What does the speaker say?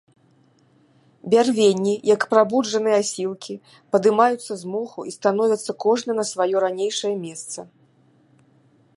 Бярвенні, як прабуджаныя асілкі, падымаюцца з моху і становяцца кожны на сваё ранейшае месца.